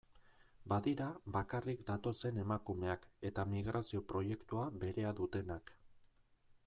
Badira bakarrik datozen emakumeak eta migrazio proiektua berea dutenak.